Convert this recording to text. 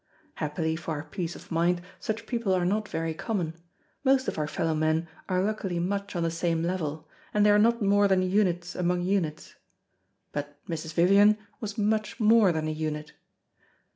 Happily for our peace of mind such people are not very common; most of our fellow men are luckily much on the same level, and they are not more than units among units. But Mrs. Vivian was much more than a unit.